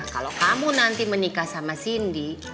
kalau kamu nanti menikah sama cindy